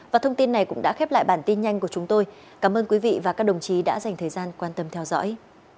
và thông tin này cũng đã khép lại bản tin nhanh của chúng tôi cảm ơn quý vị và các đồng chí đã dành thời gian quan tâm theo dõi